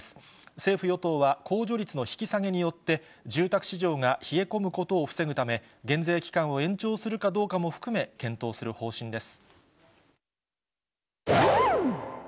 政府・与党は控除率の引き下げによって、住宅市場が冷え込むことを防ぐため、減税期間を延長するかどうかも含め、検討する方針です。